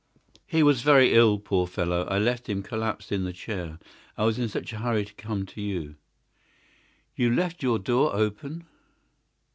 "He was very ill, poor fellow. I left him collapsed in the chair. I was in such a hurry to come to you." "You left your door open?"